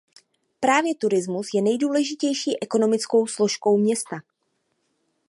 Právě turismus je nejdůležitější ekonomickou složkou města.